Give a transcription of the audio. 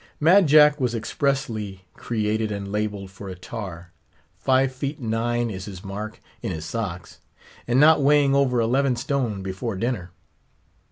Mad Jack was expressly created and labelled for a tar. Five feet nine is his mark, in his socks; and not weighing over eleven stone before dinner.